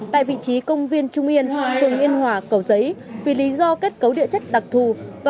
tại vị trí công viên trung yên phường yên hòa cầu giấy vì lý do kết cấu địa chất đặc thù và